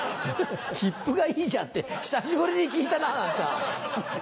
「きっぷがいいじゃん」って久しぶりに聞いたな何か。